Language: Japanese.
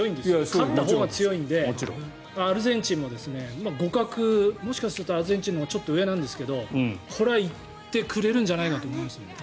勝ったほうが強いのでアルゼンチンも互角、もしかするとアルゼンチンのほうがちょっと上なんですけどこれは行ってくれるんじゃないかと思いますね。